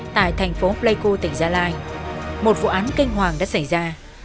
tại thành phố pleiku tỉnh gia lai một vụ án kinh hoàng đã xảy ra